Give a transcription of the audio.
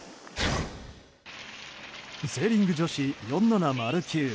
セーリング女子４７０級。